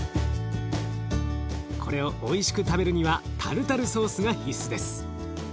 これをおいしく食べるにはタルタルソースが必須です。